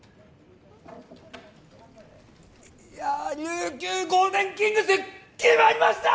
琉球ゴールデンキングス決まりました！